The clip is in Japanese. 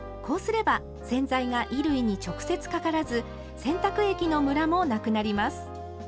こうすれば洗剤が衣類に直接かからず洗濯液のムラもなくなります。